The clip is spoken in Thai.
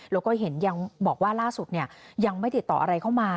แล้วก็เห็นยังบอกว่าล่าสุดยังไม่ติดต่ออะไรเข้ามา